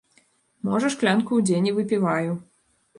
Можа, шклянку ў дзень і выпіваю.